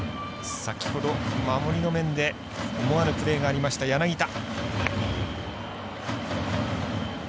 先ほど、守りの面で思わぬプレーがありました柳田。